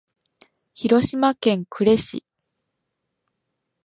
広島県呉市